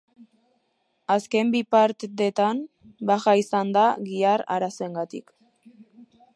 Azken bipartdetan baja izan da gihar arazoengatik.